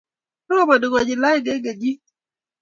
Roboni konyel oeng'eng'kenyit